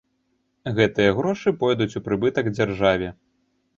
Гэтыя грошы пойдуць у прыбытак дзяржаве.